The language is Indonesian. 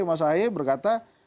mas ahe berkata